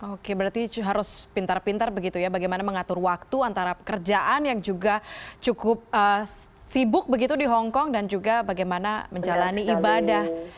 oke berarti harus pintar pintar begitu ya bagaimana mengatur waktu antara pekerjaan yang juga cukup sibuk begitu di hongkong dan juga bagaimana menjalani ibadah